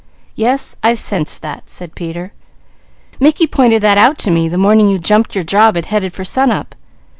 "Yes, I've sensed that," said Peter. "Mickey pointed that out to me the morning you jumped your job and headed for sunup.